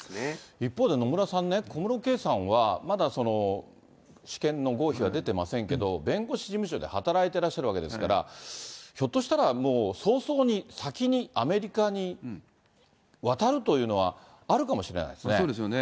一方で野村さんね、小室圭さんは、まだ試験の合否は出てませんけど、弁護士事務所で働いてらっしゃるわけですから、ひょっとしたらもう早々に、先にアメリカに渡るというのは、あるかもしれないですね。